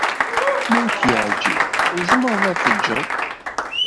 Ma ur k-yeɛjib, tzemreḍ ad t-tejjeḍ.